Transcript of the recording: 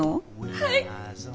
はい！